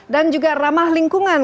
dan juga ramah lingkungan